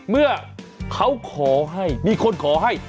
เมื่อเขาขอให้มีคนขอให้